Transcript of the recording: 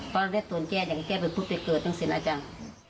เพราะหน้าเร็คตัวแกเจ๋งให้แกโผู้ไปเกิดตอนศีลจง